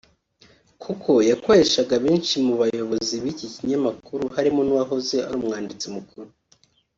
kuko yakoreshaga abenshi mu abayobozi b’iki kinyamakuru barimo n’uwahoze ari umwanditsi mukuru